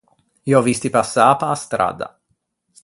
Î ò visti passâ pe-a stradda.